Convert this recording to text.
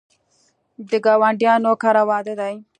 د ګاونډیانو کره واده دی